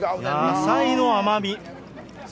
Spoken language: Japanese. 野菜の甘み。